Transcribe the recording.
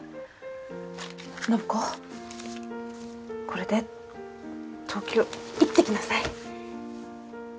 これで東京行ってきなさい。